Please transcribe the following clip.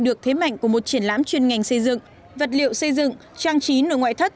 được thế mạnh của một triển lãm chuyên ngành xây dựng vật liệu xây dựng trang trí nội ngoại thất